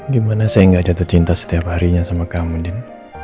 gimana saya gak jatuh cinta setiap harinya sama kamu den